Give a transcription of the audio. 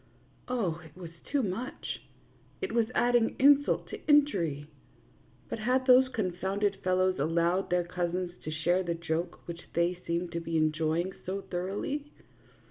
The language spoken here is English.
Oh, it was too much ; it was adding insult to injury. But had those confounded fellows al lowed their cousins to share the joke which they seemed to be enjoying so thoroughly